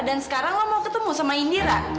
dan sekarang lo mau ketemu sama indira